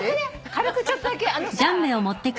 軽くちょっとだけ。